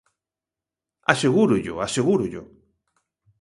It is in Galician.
Asegúrollo, asegúrollo.